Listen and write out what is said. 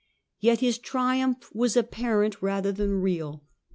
Yet his triumph was apparent rather than real.